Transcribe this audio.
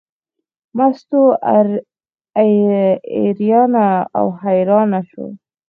مستو اریانه او حیرانه شوه.